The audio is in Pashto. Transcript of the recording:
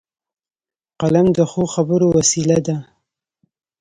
قلم د ښو خبرو وسیله ده